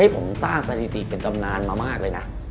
ผมสร้างสถิติเป็นตำนานมามากเลยนะ